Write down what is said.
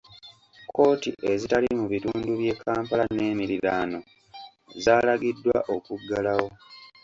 Kkooti ezitali mu bitundu by'e Kampala n'emiriraano zaalagiddwa okuggalawo.